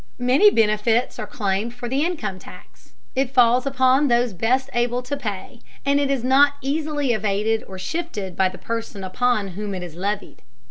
Many benefits are claimed for the income tax. It falls upon those best able to pay, and it is not easily evaded or shifted by the person upon whom it is levied.